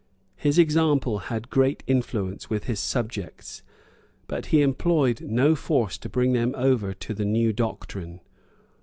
His example had great influence with his subjects; but he employed no force to bring them over to the new doctrine.